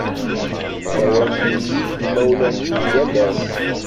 Sawalen-iyi-d imawlan-iw yal ass.